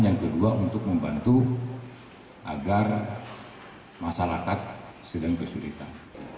yang kedua untuk membantu agar masyarakat sedang kesulitan